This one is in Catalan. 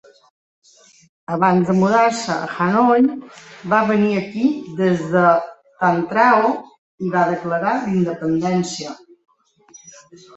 Abans de mudar-se a Hanoi, va venir aquí des de Tan Trao i va declarar la independència.